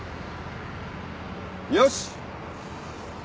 よし！